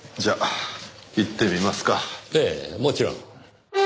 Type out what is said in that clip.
ええもちろん。